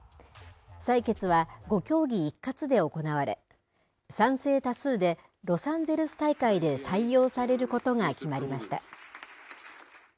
採決は５競技一括で行われ、賛成多数でロサンゼルス大会で採用されることが決まりました。